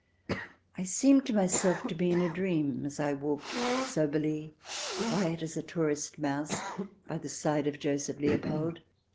I seemed to myself to be in a dream, as I walked soberly, quiet as a tourist mouse, by the side of Joseph Leopold.